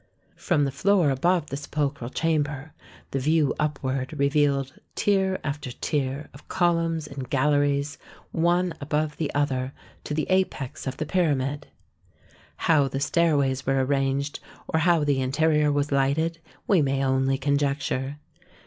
From the floor above the sepulchral chamber the view upward revealed tier after tier of columns and galleries, one above the other to the apex of the pyramid. How the stairways were arranged, or how the interior was lighted, we may only conjecture.